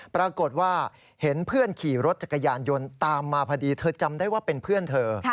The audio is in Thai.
ปรากฏว่าเห็นเพื่อนขี่รถจักรยานยนต์ตามมาพอดีเธอจำได้ว่าเป็นเพื่อนเธอ